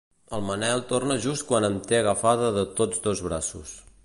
El Manel torna just quan em té agafada de tots dos braços.